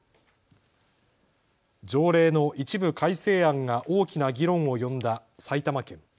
条例の一部改正案が大きな議論を呼んだ埼玉県。